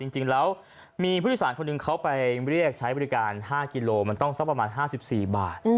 จริงแล้วมีผู้โดยสารคนหนึ่งเขาไปเรียกใช้บริการ๕กิโลมันต้องสักประมาณ๕๔บาท